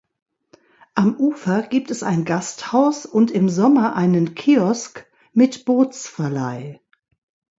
Am Ufer gibt es ein Gasthaus und im Sommer einen Kiosk mit Bootsverleih.